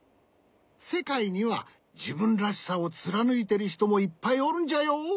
せかいにはじぶんらしさをつらぬいてるひともいっぱいおるんじゃよ。